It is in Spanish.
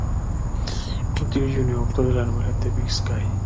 Guthrie, Jr., autor de la novela "The Big Sky".